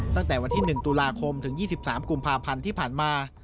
ตั้งแต่วันที่๑ตุลาคมถึง๒๓กุมภาพันธ์ที่ผ่านมา